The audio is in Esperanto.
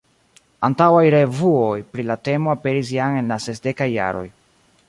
Antaŭaj revuoj pri la temo aperis jam en la sesdekaj jaroj.